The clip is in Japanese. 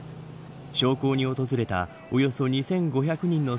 焼香に訪れたおよそ２５００人の